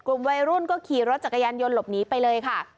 กลุ่มวัยรุ่นก็ขี่รถจักรยานยนต์หลบหนีไปเลยค่ะ